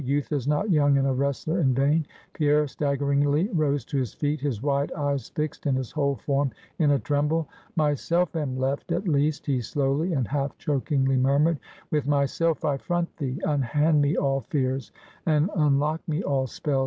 Youth is not young and a wrestler in vain. Pierre staggeringly rose to his feet; his wide eyes fixed, and his whole form in a tremble. "Myself am left, at least," he slowly and half chokingly murmured. "With myself I front thee! Unhand me all fears, and unlock me all spells!